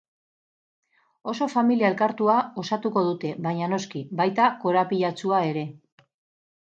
Oso familia elkartua osatuko dute, baina, noski, baita korapilatsua ere.